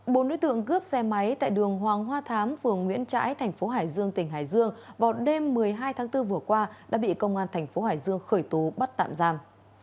bốn đối tượng cướp xe máy tại đường hoàng hoa thám phường nguyễn trãi thành phố hải dương tỉnh hải dương vào đêm một mươi hai tháng bốn vừa qua đã bị công an thành phố hải dương khởi tố bắt tạm giam